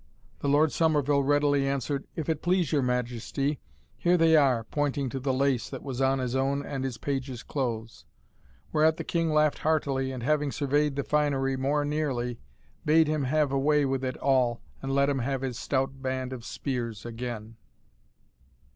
The Lord Somerville readily answered, "If it please your Majesty, here they are," pointing to the lace that was on his own and his pages' clothes: whereat the King laughed heartily, and having surveyed the finery more nearly, bade him have away with it all, and let him have his stout band of spears again.